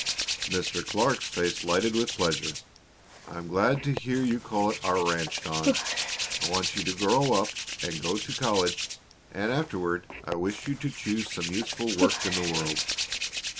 Mr. Clark's face lighted with pleasure. "I am glad to hear you call it our ranch, Don," he said. "I want you to grow up and go to college and afterward I wish you to choose some useful work in the world.